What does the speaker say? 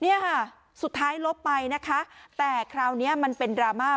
เนี่ยค่ะสุดท้ายลบไปนะคะแต่คราวนี้มันเป็นดราม่า